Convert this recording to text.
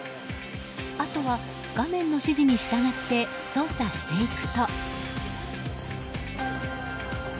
あとは画面の指示に従って操作していくと。